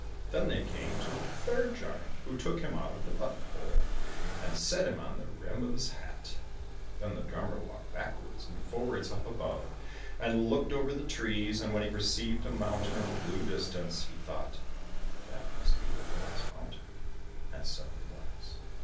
Then they came to a third giant, who took him out of the button hole, and set him on the rim of his hat. Then the drummer walked backwards and forwards up above, and looked over the trees, and when he perceived a mountain in the blue distance, he thought, "That must be the glass mountain," and so it was.